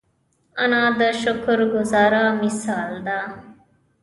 انا د شکر ګذاري مثال ده